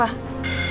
pak teh olso